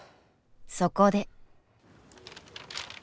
そこで。